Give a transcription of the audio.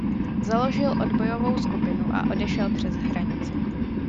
Založil odbojovou skupinu a odešel přes hranice.